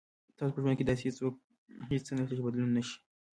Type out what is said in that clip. تاسو په ژوند کې داسې هیڅ څه نشته چې بدلون نه شي.